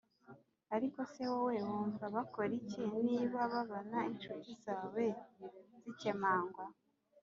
Ariko se wowe wumva bakora iki niba babona incuti zawe zikemangwa